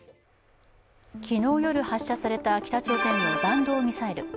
昨日夜発射された北朝鮮の弾道ミサイル。